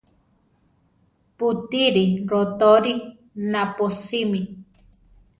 Pútiri rotorí naposimi.